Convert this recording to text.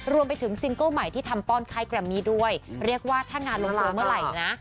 ซิงเกิ้ลใหม่ที่ทำป้อนค่ายแกรมมี่ด้วยเรียกว่าถ้างานลงตัวเมื่อไหร่นะ